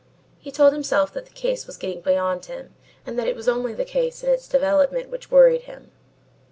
He told himself that the case was getting beyond him and that it was only the case and its development which worried him.